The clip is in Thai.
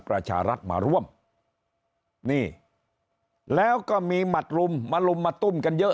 ประชารัฐมาร่วมนี่แล้วก็มีหมัดลุมมาลุมมาตุ้มกันเยอะ